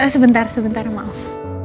sebentar sebentar maaf